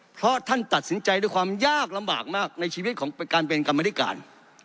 เพราะท่านตัดสินใจด้วยความยากลำบากมากในชีวิตของการเป็นกรรมธิการ